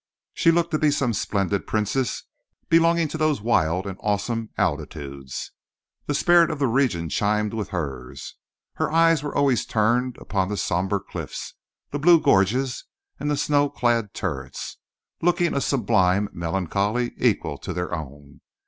She looked to be some splendid princess belonging to those wild and awesome altitudes. The spirit of the region chimed with hers. Her eyes were always turned upon the sombre cliffs, the blue gorges and the snow clad turrets, looking a sublime melancholy equal to their own.